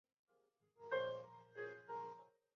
Sir, dosa মচমচে হয়েছে তো?